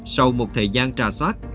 sau một thời gian trà soát